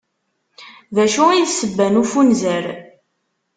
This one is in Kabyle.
D acu i d ssebba n ufunzer?